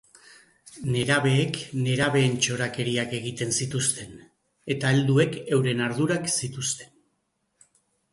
Nerabeek nerabeen txorakeriak egiten zituzten, eta helduek euren ardurak zituzten.